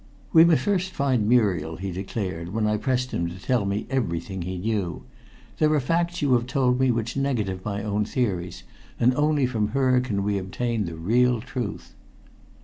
"We must first find Muriel," he declared, when I pressed him to tell me everything he knew. "There are facts you have told me which negative my own theories, and only from her can we obtain the real truth."